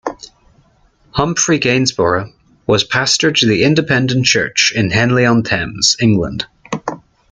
Humphrey Gainsborough was pastor to the Independent Church in Henley-on-Thames, England.